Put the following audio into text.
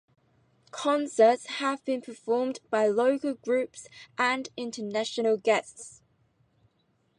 Concerts have been performed by local groups and international guests.